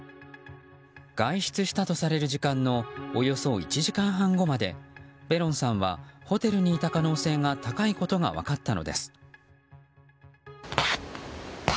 外出したとされる時間のおよそ１時間半後までベロンさんはホテルにいた可能性が高いことが分かったのです。